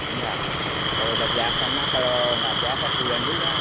kalau udah jatuh kalau nggak jatuh kelihatan juga